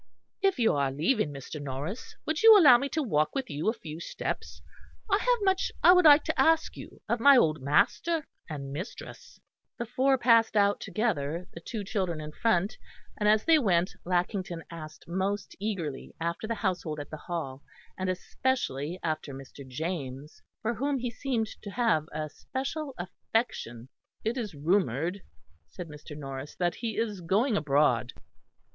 "If you are leaving, Mr. Norris, would you allow me to walk with you a few steps? I have much I would like to ask you of my old master and mistress." The four passed out together; the two children in front; and as they went Lackington asked most eagerly after the household at the Hall, and especially after Mr. James, for whom he seemed to have a special affection. "It is rumoured," said Mr. Norris, "that he is going abroad."